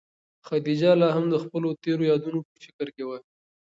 خدیجه لا هم د خپلو تېرو یادونو په فکر کې وه.